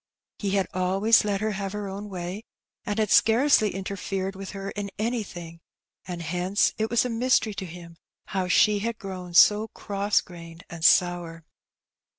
He had always let her have her own way, and had scarcely interfered with her in anything, and hence it was a mystery to him how she had grown so cross grained and sour.